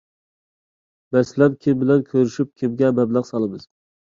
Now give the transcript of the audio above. مەسىلەن، كىم بىلەن كۆرۈشۈپ، كىمگە مەبلەغ سالىمىز؟